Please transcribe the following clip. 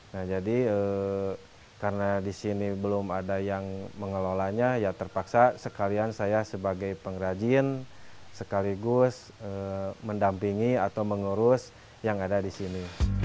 nah jadi karena di sini belum ada yang mengelolanya ya terpaksa sekalian saya sebagai pengrajin sekaligus mendampingi atau mengurus yang ada di sini